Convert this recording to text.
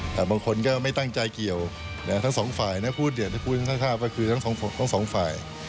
แต่บางคนก็ไม่ตั้งใจเกี่ยวทั้ง๒ฝ่ายถ้าพูดสถาปก็คือทั้ง๒ฝ่าย